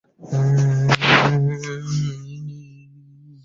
出入口分为北口与南口两处。